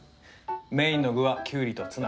メインの具はキュウリとツナ。